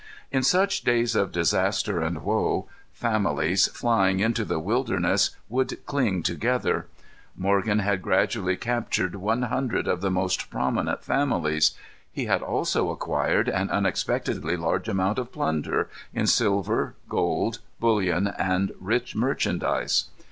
In such days of disaster and woe, families, flying into the wilderness, would cling together. Morgan had gradually captured one hundred of the most prominent families. He had also acquired an unexpectedly large amount of plunder, in silver, gold, bullion, and rich merchandise.